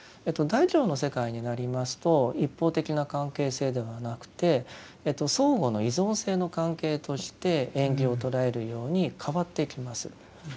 大乗の世界になりますと一方的な関係性ではなくて相互の依存性の関係として縁起を捉えるように変わっていきます。